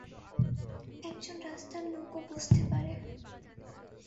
একজন রাস্তার লোকও বুঝতে পারে।